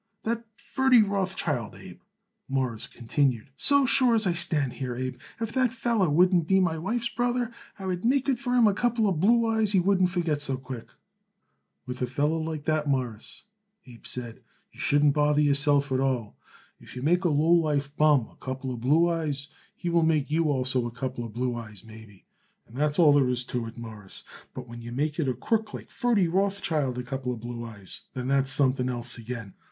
"That Ferdy Rothschild, Abe," Morris continued. "So sure as I stand here, Abe, if that feller wouldn't be my wife's brother, I would make for him a couple blue eyes he wouldn't forgot so quick." "With a feller like that, Mawruss," Abe said, "you shouldn't bother yourself at all. If you make a lowlife bum a couple blue eyes, he will make you also a couple blue eyes, maybe, and that's all there is to it, Mawruss. But when you make it a crook like Ferdy Rothschild a couple blue eyes, then that's something else again.